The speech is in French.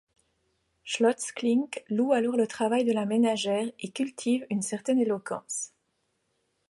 Scholtz-Klink loue alors le travail de la ménagère et cultive une certaine éloquence.